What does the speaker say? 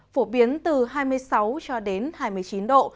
phổ biến từ hai mươi sáu cho đến hai mươi chín độ